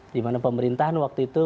di mana pemerintahan waktu itu